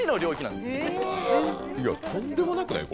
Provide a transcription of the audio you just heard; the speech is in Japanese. とんでもなくない？